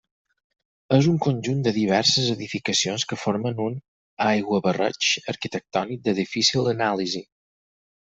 És un conjunt de diverses edificacions que formen un aiguabarreig arquitectònic de difícil anàlisi.